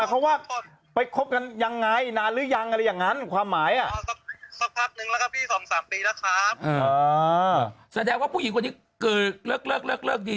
ศลุกเรื่องทั้งหมดที่มันเกิดขึ้นนะตอนนี้